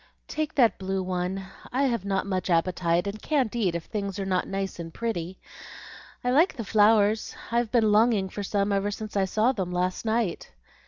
"Take that blue one. I have not much appetite, and can't eat if things are not nice and pretty. I like the flowers. I've been longing for some ever since I saw them last night."